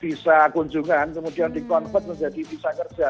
bisa kunjungan kemudian di convert menjadi bisa kerja